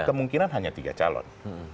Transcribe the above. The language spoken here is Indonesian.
kemungkinan hanya tiga calon